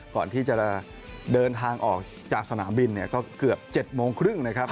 ก่อนที่จะเดินทางออกจากสนามบินเนี่ยก็เกือบ๗โมงครึ่งนะครับ